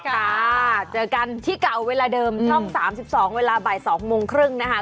ค่ะเจอกันที่เก่าเวลาเดิมอืมช่องสามสิบสองเวลาบ่ายสองโมงครึ่งนะฮะ